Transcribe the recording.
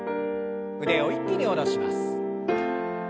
腕を一気に下ろします。